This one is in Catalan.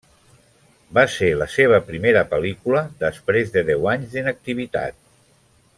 Va ser la seva primera pel·lícula després de deu anys d'inactivitat.